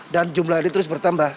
dan jumlah ini terus bertambah